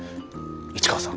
市川さん